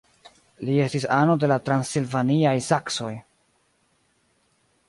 Li estis ano de la transilvaniaj saksoj.